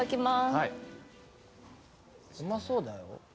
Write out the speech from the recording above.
はいうまそうだよ